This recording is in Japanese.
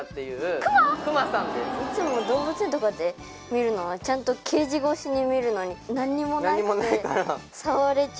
いつも動物園とかで見るのはちゃんとケージ越しに見るのになんにもなくて触れちゃうなんて。